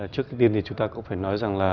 trước khi tin thì chúng ta cũng phải nói rằng là